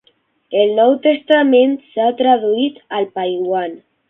El Nou Testament s'ha traduït al paiwan.